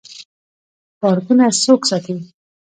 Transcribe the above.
پارکونه څوک ساتي؟